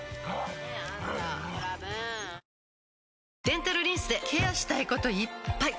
デンタルリンスでケアしたいこといっぱい！